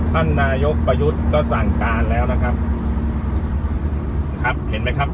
ท่านนายกประยุทธ์ก็สั่งการแล้วนะครับเห็นไหมครับ